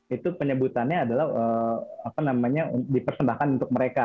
itu penyebutannya adalah apa namanya dipersembahkan untuk mereka